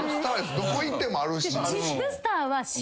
どこ行ってもあるし。